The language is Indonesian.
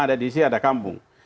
ada di sini ada kampung